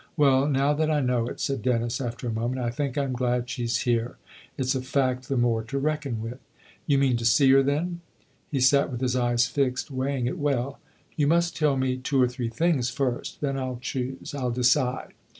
" Well, now that I know it," said Dennis after a moment, " I think I'm glad she's here. It's a fact the more to reckon with." " You mean to see her then ?" He sat with his eyes fixed, weighing it well. " You must tell me two or three things first. Then I'll choose I'll decide."